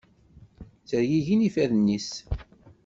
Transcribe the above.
Ttergigin yifadden-is.